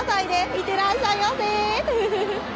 いってらっしゃいませ！